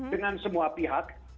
dengan semua pihak